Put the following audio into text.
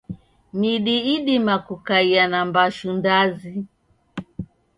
Midi idima kukaia na mbashu ndazi.